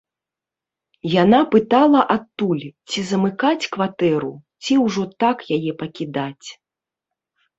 Яна пытала адтуль, ці замыкаць кватэру, ці ўжо так яе пакідаць.